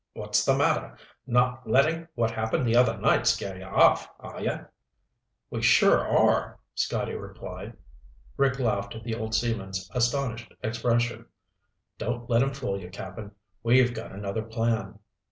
What's the matter? Not letting what happened the other night scare you off, are you?" "We sure are," Scotty replied. Rick laughed at the old seaman's astonished expression. "Don't let him fool you, Cap'n. We've got another plan."